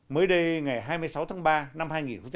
mới đây ngày hai mươi sáu tháng ba năm hai nghìn một mươi chín